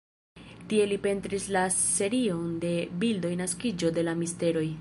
Tie li pentris la serion de bildoj Naskiĝo de la misteroj.